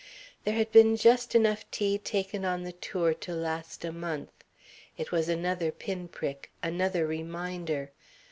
There had been just enough tea taken on the tour to last a month. It was another pin prick, another reminder.